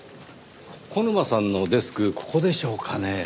小沼さんのデスクここでしょうかねぇ？